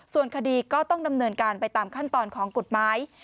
ส่วนคดีก็ต้องดำเนินการไปตามขั้นตอนของกฎหมาย